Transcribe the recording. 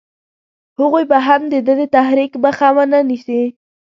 هغوی به هم د ده د تحریک مخه ونه نیسي.